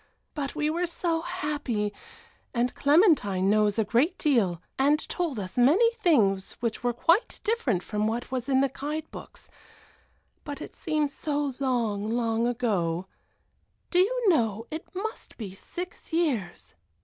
But we were so happy, and Clementine knows a great deal, and told us many things which were quite different from what was in the guide books but it seems so long, long ago. Do you know it must be six years."